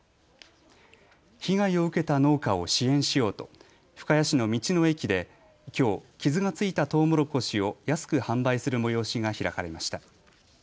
被害を受けた農家を支援しようと深谷市の道の駅で、きょう傷がついたとうもろこしを安く販売する催しが開かれました。